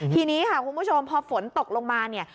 ทีนี้ค่ะคุณผู้ชมพอฝนตกลงมาเนี่ย